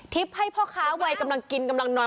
ให้พ่อค้าวัยกำลังกินกำลังน้อย